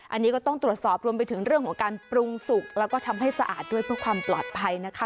อันนี้ก็ต้องตรวจสอบรวมไปถึงเรื่องของการปรุงสุกแล้วก็ทำให้สะอาดด้วยเพื่อความปลอดภัยนะคะ